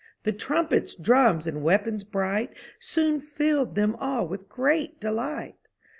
The trumpets, drums, and weapons bright Soon filled them all with great delight.